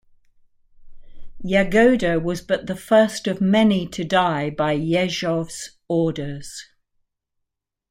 Yagoda was but the first of many to die by Yezhov's orders.